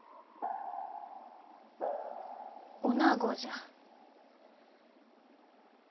おなごじゃ。